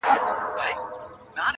څارنوال د ځان په جُرم نه پوهېږي,